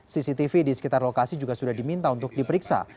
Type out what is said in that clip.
cctv di sekitar lokasi juga sudah diminta untuk diperiksa